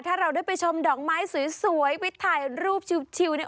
ถ้าเราได้ไปชมดอกไม้สวยไปถ่ายรูปชิวเนี่ย